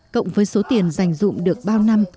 cộng với số tiền dành dụng được bao năm